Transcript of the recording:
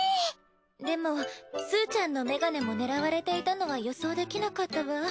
でもすうちゃんのメガネも狙われていたのは予想できなかったわ。